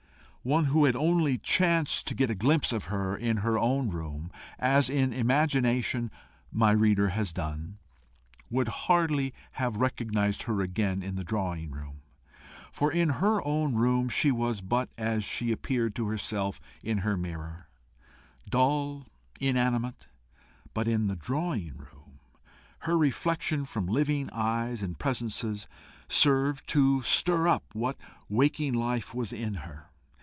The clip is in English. One who had only chanced to get a glimpse of her in her own room, as in imagination my reader has done, would hardly have recognised her again in the drawing room. For in her own room she was but as she appeared to herself in her mirror dull, inanimate; but in the drawing room her reflection from living eyes and presences served to stir up what waking life was in her.